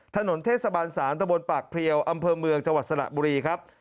ถนนเทศบาล๓ตะบนปากเพลียวอำเภอเมืองจังหวัดสระบุรีครับ